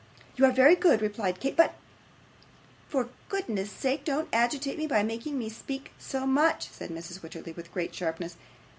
'You are very good!' replied Kate. 'But ' 'For goodness' sake, don't agitate me by making me speak so much,' said Mrs. Wititterly, with great sharpness.